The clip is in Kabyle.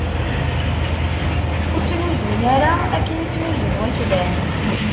Ur ttnuzun ara akken i ttnuzun waklan.